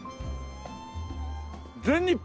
「全日本」